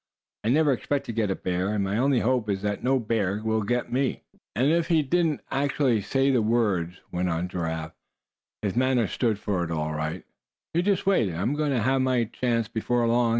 I never expect to get a bear; and my only hope is that no bear will get me." "And even if he didn't actually say the words." went on Giraffe, "his manner stood for it all right 'you just wait, and I'm going to have my chance before long.'